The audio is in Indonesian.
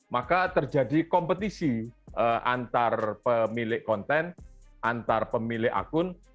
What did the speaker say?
maka terjadi kompetisi antar pemilik konten antar pemilik akun